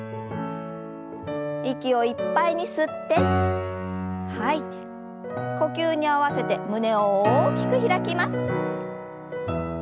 息をいっぱいに吸って吐いて呼吸に合わせて胸を大きく開きます。